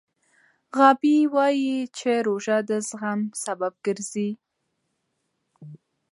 غابي وايي چې روژه د زغم سبب ګرځي.